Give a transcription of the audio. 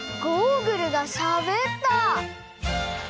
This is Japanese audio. ゴーグルがしゃべった！